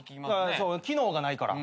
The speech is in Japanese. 機能がないから。